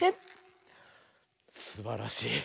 すばらしい。